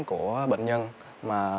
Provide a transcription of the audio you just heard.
của bệnh nhân mà